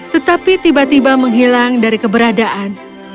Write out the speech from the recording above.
tetapi tiba tiba menghilang dari keberadaan